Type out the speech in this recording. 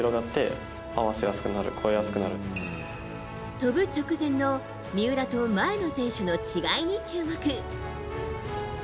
跳ぶ直前の三浦と前の選手の違いに注目。